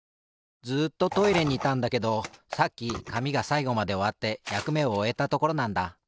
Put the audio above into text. ずっとトイレにいたんだけどさっきかみがさいごまでおわってやくめをおえたところなんだ。